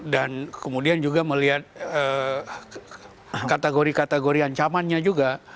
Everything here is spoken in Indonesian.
dan kemudian juga melihat kategori kategori ancamannya juga